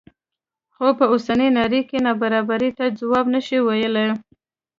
خو په اوسنۍ نړۍ کې نابرابرۍ ته ځواب نه شي ویلی.